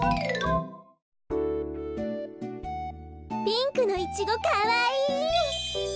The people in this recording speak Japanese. ピンクのイチゴかわいい。